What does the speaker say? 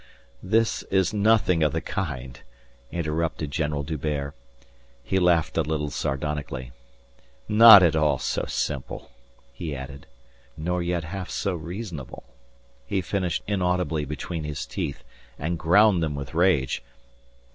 "This is nothing of the kind," interrupted General D'Hubert. He laughed a little sardonically. "Not at all so simple," he added. "Nor yet half so reasonable," he finished inaudibly between his teeth and ground them with rage.